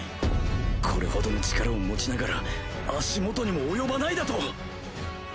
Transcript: これほどの力を持ちながら足元にも及ばないだと？